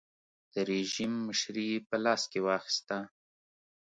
د رژیم مشري یې په لاس کې واخیسته.